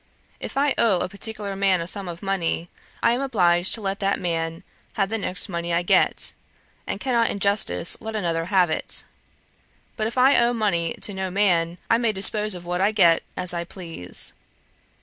If I owe a particular man a sum of money, I am obliged to let that man have the next money I get, and cannot in justice let another have it: but if I owe money to no man, I may dispose of what I get as I please.